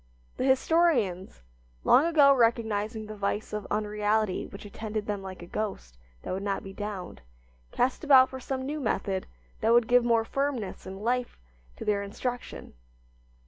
The historians, long ago recognizing the vice of unreality which attended them like a ghost that would not be downed, cast about for some new method that would give more firmness and life to their instruction.